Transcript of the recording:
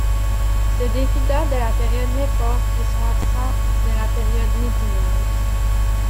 Ces défis datent de la période mecquoise et sont absents de la période médinoise.